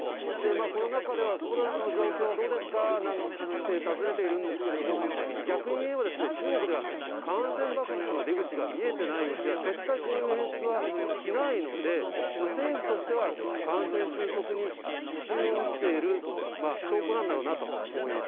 この中では、コロナの状況はどうですかなんて尋ねているんですけれども、逆にいえばですね、中国では感染爆発の出口が見えてないうちは、絶対こういう演出はしないので、政府としては、感染収束に自信を見せている証拠なんだろうなと思います。